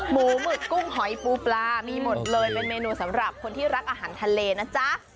หมึกกุ้งหอยปูปลามีหมดเลยเป็นเมนูสำหรับคนที่รักอาหารทะเลนะจ๊ะ